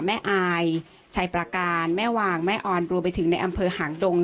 อายชัยประการแม่วางแม่ออนรวมไปถึงในอำเภอหางดง